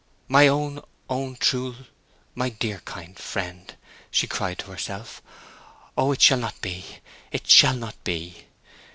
"My own, own, true l——, my dear kind friend!" she cried to herself. "Oh, it shall not be—it shall not be!"